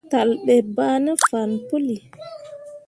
Talle ɓe bah ne fah puli.